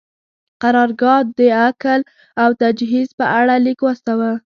قرارګاه د اکل او تجهیز په اړه لیک واستاوه.